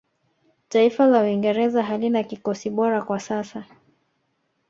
taifa la uingereza halina kikosi bora kwa sasa